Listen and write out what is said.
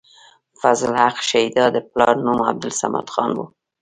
فضل حق شېدا د پلار نوم عبدالصمد خان وۀ